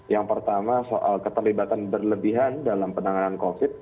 yang pertama soal keterlibatan berlebihan dalam penanganan covid